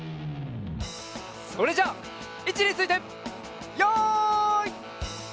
それじゃあいちについてよい。